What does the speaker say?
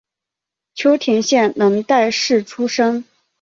秋田县能代市出身。